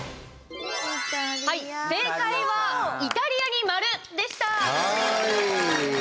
正解はイタリアに丸でした。